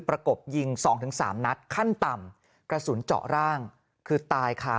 กบยิงสองถึงสามนัดขั้นต่ำกระสุนเจาะร่างคือตายค่ะ